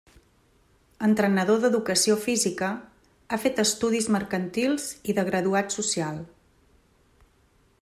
Entrenador d'educació física, ha fet estudis mercantils i de graduat social.